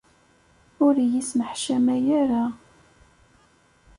Ur iyi-sneḥcamay ara.